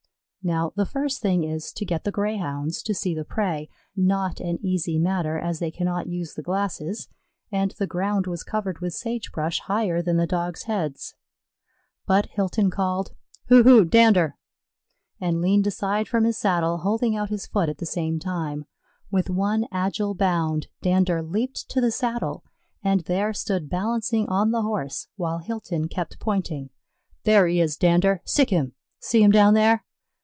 Now the first thing is to get the Greyhounds to see the prey not an easy matter, as they cannot use the glasses, and the ground was covered with sage brush higher than the Dogs' heads. But Hilton called, "Hu, hu, Dander," and leaned aside from his saddle, holding out his foot at the same time. With one agile bound Dander leaped to the saddle and there stood balancing on the Horse while Hilton kept pointing. "There he is, Dander; sic him see him down there."